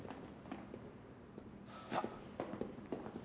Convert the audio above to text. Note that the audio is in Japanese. さあ。